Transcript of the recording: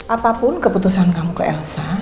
apapun keputusan kamu ke elsa